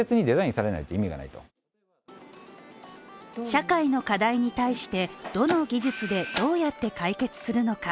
社会の課題に対して、どの技術でどうやって解決するのか。